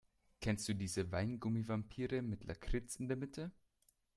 Kennst du diese Weingummi-Vampire mit Lakritz in der Mitte?